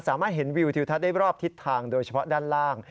สามารถเห็นวิวทิวทัศน์ได้รอบทิศทางโดยเฉพาะด้านล่าง